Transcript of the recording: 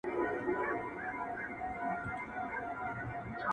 چي د کڼو غوږونه وپاڅوي!